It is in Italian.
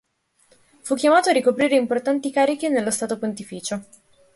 Fu chiamato a ricoprire importanti cariche nello Stato Pontificio.